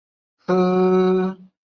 他最后自杀身亡。